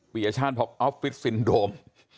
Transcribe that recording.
ปริญญาชาติเพราะออฟฟิศสินโดม